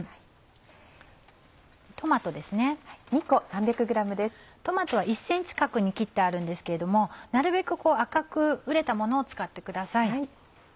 トマトは１ｃｍ角に切ってあるんですけれどもなるべく赤く熟れたものを使ってください。